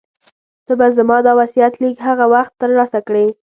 ته به زما دا وصیت لیک هغه وخت ترلاسه کړې.